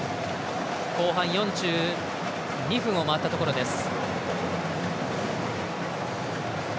後半４２分を回ったところです。